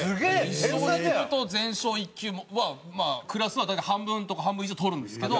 日商２級と全商１級はクラスは大体半分とか半分以上取るんですけど。